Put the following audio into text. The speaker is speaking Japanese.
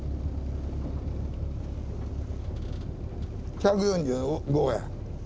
１４５や。